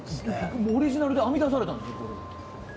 オリジナルで編み出されたんですか？